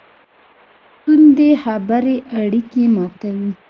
توندې خبرې اړیکې ماتوي.